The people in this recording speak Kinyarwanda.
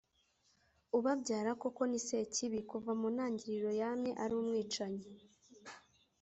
Ubabyara koko ni Sekibi,...Kuva mu ntangiriro yamye ari umwicanyi,